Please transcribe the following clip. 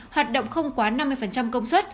hoạt động không quá năm mươi công suất